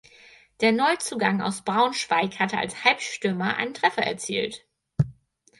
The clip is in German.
Der Neuzugang aus Braunschweig hatte als Halbstürmer einen Treffer erzielt.